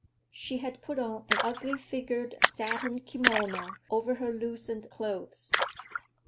She had put on an ugly figured satine kimono over her loosened clothes.